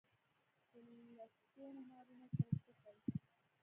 د لستوڼو مارانو سره څه کئ.